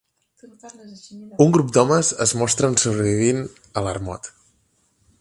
Un grup d'homes es mostren sobrevivint a l'ermot.